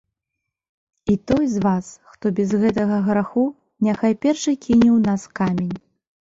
І той з вас, хто без гэтага граху, няхай першы кіне ў нас камень.